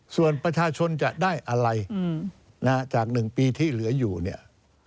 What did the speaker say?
ส่วนประชาชนจะได้อะไรนะฮะจาก๑ปีที่เหลืออยู่เนี่ย